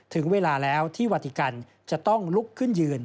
ถึงเวลาแล้วที่วาติกันจะต้องลุกขึ้นยืน